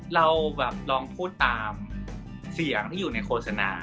เราแบบลองพูดตามเสียงที่อยู่ในโฆษณา